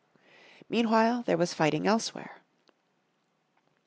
Meanwhile there was fighting elsewhere.